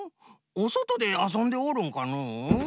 おそとであそんでおるんかのう？